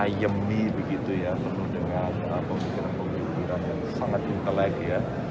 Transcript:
penuh dengan pemikiran pemikiran yang sangat intelek ya